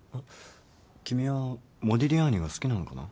君はモディリアーニが好きなのかな？